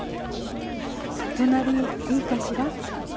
隣いいかしら？